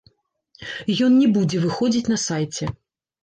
Ён не будзе выходзіць на сайце.